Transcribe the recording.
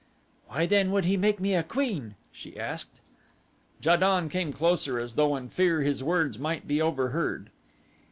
"Why, then, would he make me queen?" she asked. Ja don came closer as though in fear his words might be overheard.